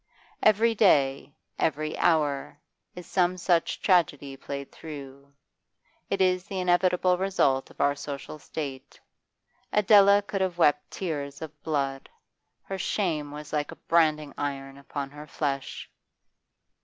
Every day, every hour, is some such tragedy played through; it is the inevitable result of our social state. Adela could have wept tears of blood; her shame was like a branding iron upon her flesh.